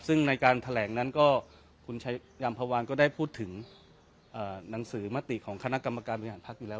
ซึ่งในการแถลงนั้นก็คุณชายามพวานก็ได้พูดถึงหนังสือมติของคณะกรรมการบริหารพักอยู่แล้ว